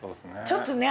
ちょっとね。